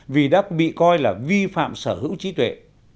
vì đã bị coi là vi phạm sở hữu trí tuệ